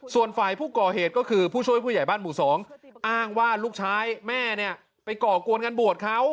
ส่วนฝ่ายผู้ก่อเหตุก็คือผู้ช่วยผู้ใหญ่บ้านหมู่๒อ้างว่าลูกชายแม่เนี่ยไปก่อกวนงานบวชเขา